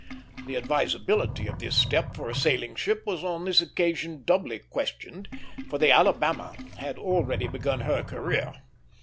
The advisability of this step for a sailing ship was on this occasion doubly questioned, for the Alabama had already begun her career.